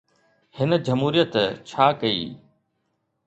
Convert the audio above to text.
هن جمهوريت ڇا ڪئي؟